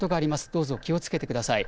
どうぞ気をつけてください。